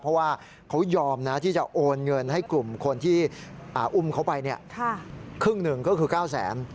เพราะว่าเขายอมนะที่จะโอนเงินให้กลุ่มคนที่อุ้มเขาไปครึ่งหนึ่งก็คือ๙แสน